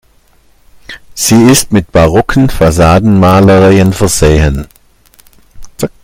Sie ist mit barocken Fassadenmalereien versehen.